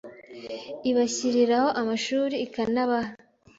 ibashyiriraho amashuri ikanabaha